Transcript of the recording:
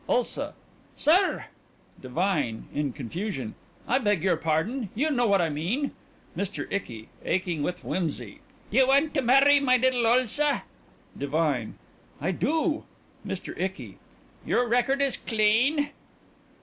ULSA: Sir! DIVINE: (In confusion) I beg your pardon. You know what I mean? MR. ICKY: (Aching with whimsey) You want to marry my little Ulsa?... DIVINE: I do. MR. ICKY: Your record is clean.